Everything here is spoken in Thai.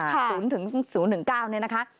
ศูนย์ถึง๐๙นี่นะคะ